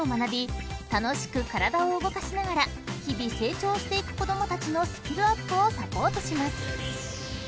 楽しく体を動かしながら日々成長していく子供たちのスキルアップをサポートします］